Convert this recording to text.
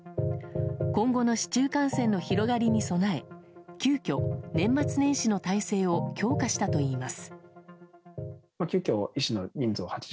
今後の市中感染の広がりに備え急きょ、年末年始の態勢を強化したといいます。